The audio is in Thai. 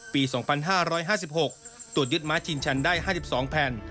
ปี๒๕๕๖ตรวจยึดม้าชินชันได้๕๒แผ่น